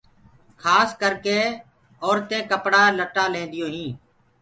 کاس ڪرِڪي اورتينٚ ڪپڙآ لٽآ ليديٚونٚ هينٚ